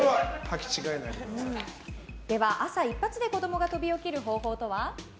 では朝、一発で子供が飛び起きる方法とは？